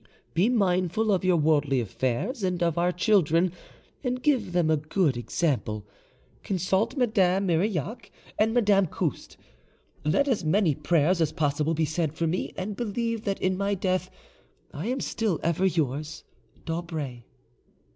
Be mindful of your worldly affairs, and of our children, and give them a good example; consult Madame Marillac and Madame Couste. Let as many prayers as possible be said for me, and believe that in my death I am still ever yours, D'AUBRAY."